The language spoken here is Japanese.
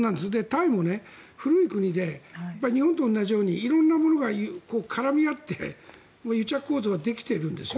タイも古い国で日本と同じように色んなものが絡み合って癒着構図ができているんです。